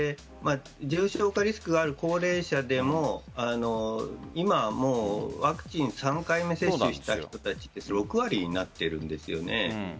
重症化リスクがある高齢者でも今、ワクチン３回目接種した人たちは６割になっているんです。